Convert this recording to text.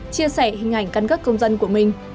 chia sẻ hình ảnh căn cước công dân của mình